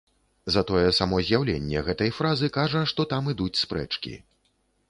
Затое само з'яўленне гэтай фразы кажа, што там ідуць спрэчкі.